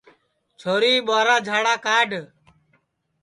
چھوری ٻُہارا جھاڑا کاڈؔ